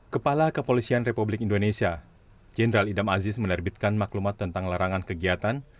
kepala kepolisian republik indonesia jenderal idam aziz menerbitkan maklumat tentang larangan kegiatan